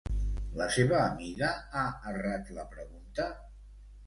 La seva amiga ha errat la pregunta?